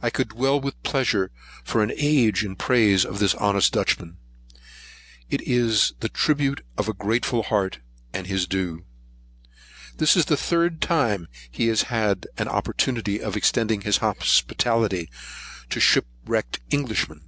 I could dwell with pleasure for an age in praise of this honest Dutchman; it is the tribute of a grateful heart, and his due. This is the third time he has had an opportunity of extending his hospitality to shipwrecked Englishmen.